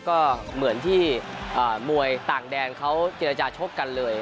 ก็เหมือนที่มวยต่างแดนเขาเจรจาชกกันเลย